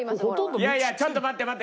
いやいやちょっと待って待って。